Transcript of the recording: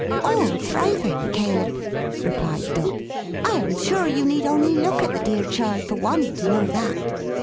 "All thriving, Caleb," replied Dot. "I am sure you need only look at the dear child, for one, to know that."